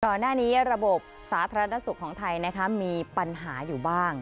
ระบบนี้ระบบสาธารณสุขของไทยมีปัญหาอยู่บ้าง